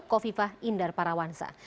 kofifah indar parawansa